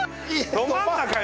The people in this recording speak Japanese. ど真ん中よ？